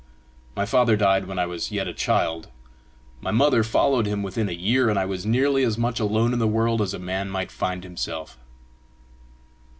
My father died when I was yet a child; my mother followed him within a year; and I was nearly as much alone in the world as a man might find himself.